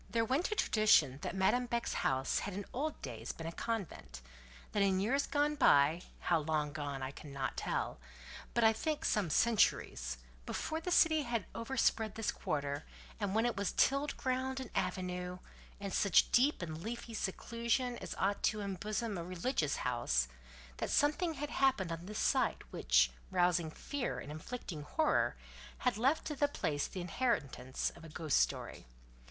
There went a tradition that Madame Beck's house had in old days been a convent. That in years gone by—how long gone by I cannot tell, but I think some centuries—before the city had over spread this quarter, and when it was tilled ground and avenue, and such deep and leafy seclusion as ought to embosom a religious house—that something had happened on this site which, rousing fear and inflicting horror, had left to the place the inheritance of a ghost story.